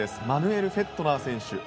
マヌエル・フェットナー選手